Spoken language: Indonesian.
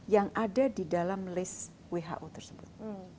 yang ada di dalam list who tersebut